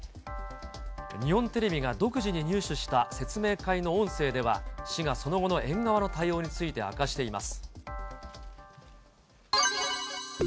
日本テレビが独自に入手した説明会の音声では、市がその後の園側の対応について明かしています。